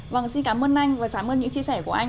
vâng xin cảm ơn anh và cảm ơn những chia sẻ của anh